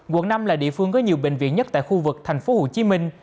quận năm là địa phương có nhiều bệnh viện nhất tại khu vực tp hcm